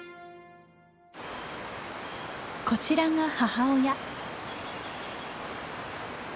こちらが母親。